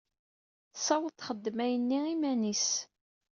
Tessaweḍ texdem ayenni iman-is.